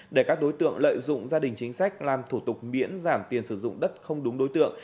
để các đối tượng lợi dụng gia đình chính sách làm thủ tục miễn giảm tiền sử dụng đất không đúng đối tượng